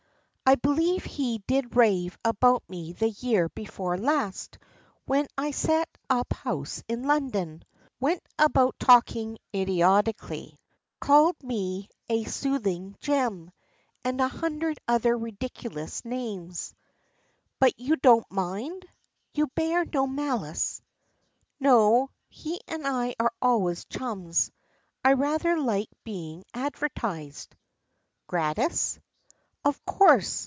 "I believe he did rave about me the year before last, when I set up house in London went about talking idiotically called me 'a soothing gem,' and a hundred other ridiculous names." "But you didn't mind? You bear no malice." "No, he and I are always chums. I rather liked being advertised." "Gratis?" "Of course.